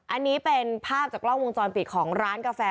อันนี้เป็นภาพจากกล้องวงจรปิดของร้านกาแฟ